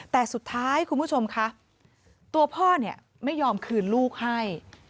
แต่สุดท้ายคุณผู้ชมคะตัวพ่อเนี่ยไม่ยอมคืนลูกให้